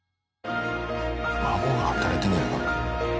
孫が働いてるんじゃないか？